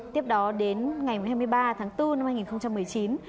tiếp đó đến ngày hai mươi ba tháng bốn năm hai nghìn một mươi chín